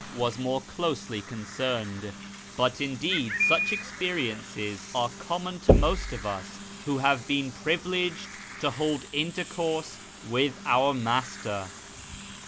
shirAz 331 was more closely concerned; but indeed such experiences are common to most of us who have been privileged to hold intercourse with our Master.